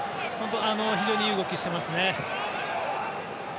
非常にいい動きをしていますね。